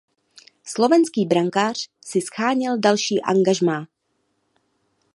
Slovenský brankář si sháněl další angažmá.